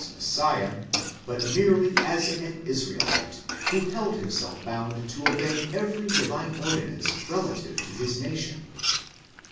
Messiah, but merely as an Israelite, who held himself bound to obey every divine ordinance relative to his nation.?